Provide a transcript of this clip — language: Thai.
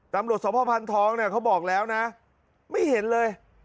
ตำรวจสมภาพพันธองเนี่ยเขาบอกแล้วนะไม่เห็นเลย